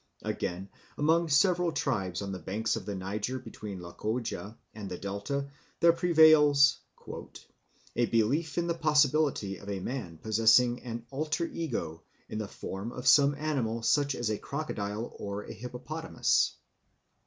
Again, among several tribes on the banks of the Niger between Lokoja and the delta there prevails "a belief in the possibility of a man possessing an alter ego in the form of some animal such as a crocodile or a hippopotamus.